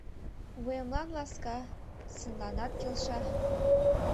Вуемлан ласка, сынланат келша